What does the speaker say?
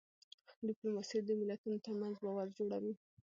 ډيپلوماسي د ملتونو ترمنځ باور جوړوي.